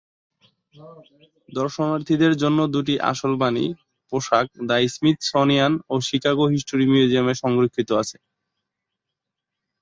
দর্শনার্থীদের জন্য দুটি আসল বানি পোশাক দ্য স্মিথসোনিয়ান ও শিকাগো হিস্টোরি মিউজিয়ামে সংরক্ষিত আছে।